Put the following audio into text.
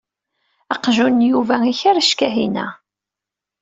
Aqjun n Yuba ikerrec Kahina.